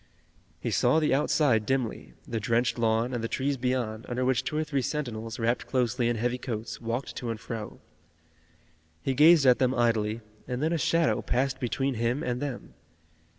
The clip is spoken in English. He saw the outside dimly, the drenched lawn, and the trees beyond, under which two or three sentinels, wrapped closely in heavy coats, walked to and fro. He gazed at them idly, and then a shadow passed between him and them.